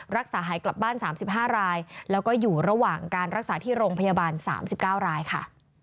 รักษาหายกลับบ้าน๓๕รายแล้วก็อยู่ระหว่างการรักษาที่โรงพยาบาล๓๙รายค่ะ